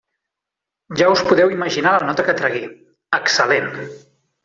Ja us podeu imaginar la nota que tragué: excel·lent.